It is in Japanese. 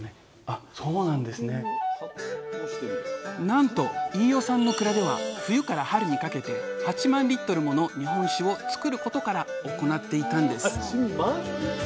なんと飯尾さんの蔵では冬から春にかけて８万もの日本酒をつくることから行っていたんです